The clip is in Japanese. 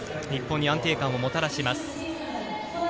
日本に安定感をもたらします。